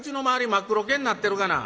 真っ黒けになってるがな。